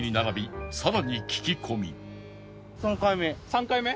３回目。